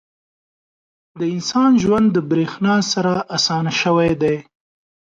• د انسان ژوند د برېښنا سره اسانه شوی دی.